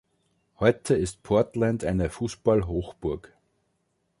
Heute ist Portland eine Fußball-Hochburg.